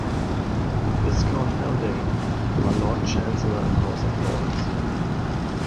Viscount Haldane, war Lord Chancellor im House of Lords.